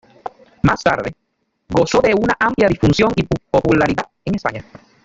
Más tarde, gozó de una amplia difusión y popularidad en España.